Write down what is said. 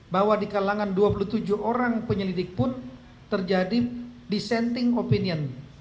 bahwa di kalangan dua puluh tujuh orang penyelidik pun terjadi dissenting opinion